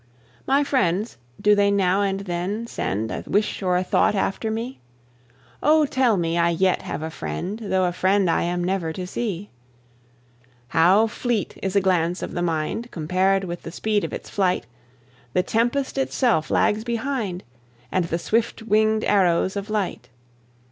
My friends do they now and then send A wish or a thought after me? Oh, tell me I yet have a friend, Though a friend I am never to see. How fleet is a glance of the mind! Compared with the speed of its flight, The tempest itself lags behind, And the swift wingèd arrows of light.